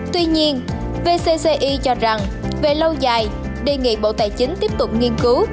tuy nhiên vcci cho rằng về lâu dài đề nghị bộ tài chính tiếp tục nghiên cứu